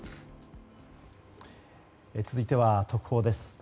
続いては特報です。